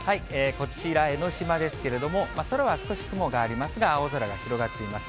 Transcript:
こちら、江の島ですけれども、空は少し雲がありますが、青空が広がっています。